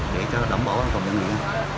để đảm bảo an toàn nguyện